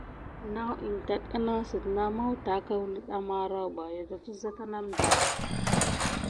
Nawuye denaha si na mane metita di anayant sika vas si def nawa pay wumti.